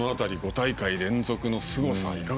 ５大会連続のすごさ